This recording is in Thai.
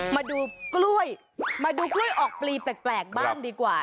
มาดูกล้วยมาดูกล้วยออกปลีแปลกบ้างดีกว่า